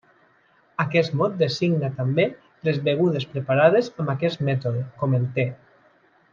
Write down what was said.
Aquest mot designa també les begudes preparades amb aquest mètode, com el te.